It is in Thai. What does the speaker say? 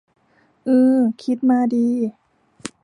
อือ คิดมาดี